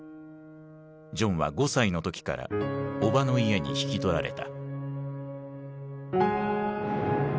ジョンは５歳の時から叔母の家に引き取られた。